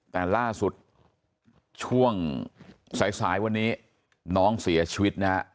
แต่ล่าสุดช่วงสายสายวันนี้น้องเสียชีวิตนะฮะ